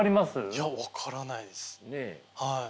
いや分からないです。